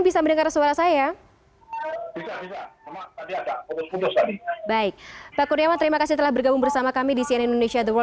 selamat malam pak kurniawan